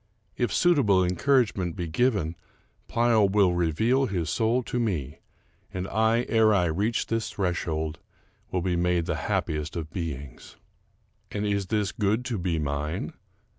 If suitable encouragement be given, Pleyel will reveal his soul to me; and I, ere I reach ^his threshold, will be made the happiest of beings. And is this good to be mine?